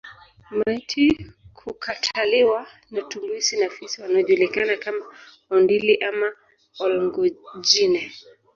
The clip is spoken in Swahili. Maiti kukataliwa na tumbusi na fisi wanaojulikana kama Ondili ama Olngojine